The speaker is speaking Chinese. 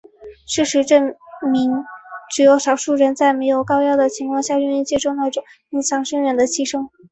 事实证明只有少数人在没有高压的情况下愿意接受那种影响深远的牺牲。